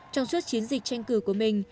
trong suốt chiến dịch tranh cử của mình